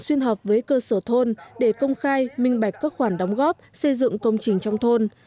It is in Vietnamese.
xuyên họp với cơ sở thôn để công khai minh bạch các khoản đóng góp xây dựng công trình trong thôn